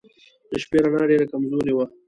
د شپې رڼا ډېره کمزورې وه.